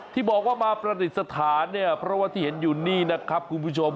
ที่บอกว่ามาประดิษฐานเนี่ย